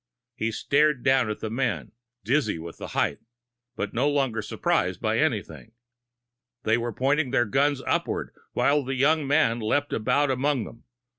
He stared down at the men, dizzy with the height, but no longer surprised by anything. The men were pointing their guns upwards, while the young man leaped about among them.